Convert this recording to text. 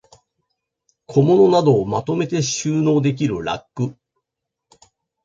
小物などをまとめて収納できるラック